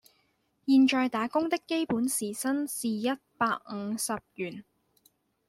現在打工的基本時薪是一百五十元